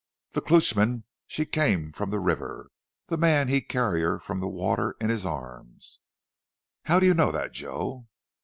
"The Klootchman she came from the river. The man he carry her from the water in his arms." "How do you know that, Joe?"